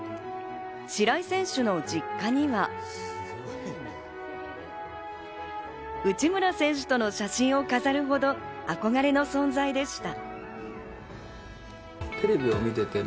白井選手の実家には、内村選手との写真を飾るほど憧れの存在でした。